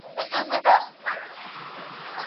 وصفونه د انسان اخلاق څرګندوي.